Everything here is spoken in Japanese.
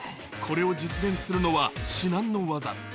これを実現するのは至難の業。